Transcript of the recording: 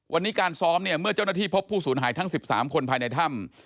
วันนี้การซ้อมเนี่ยเมื่อเจ้าหน้าที่พบผู้สูญหายทั้ง๑๓คนภายในถ้ำ